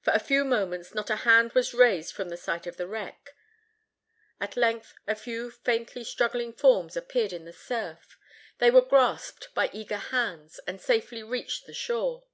For a few moments, not a hand was raised from the site of the wreck. At length, a few faintly struggling forms appeared in the surf. They were grasped by eager hands, and safely reached the shore.